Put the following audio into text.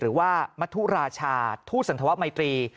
หรือว่ามัธุราชาทูตสันธวะมัยตรี